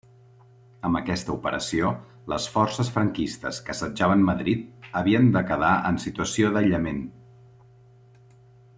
Amb aquesta operació, les forces franquistes que assetjaven Madrid havien de quedar en situació d'aïllament.